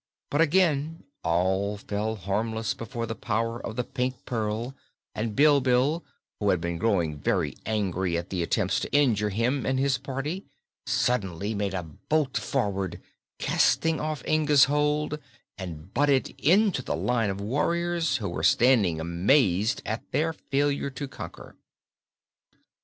But again all fell harmless before the power of the Pink Pearl, and Bilbil, who had been growing very angry at the attempts to injure him and his party, suddenly made a bolt forward, casting off Inga's hold, and butted into the line of warriors, who were standing amazed at their failure to conquer.